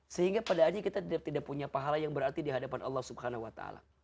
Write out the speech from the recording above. sehingga pada akhirnya kita tidak punya pahala yang berarti di hadapan allah swt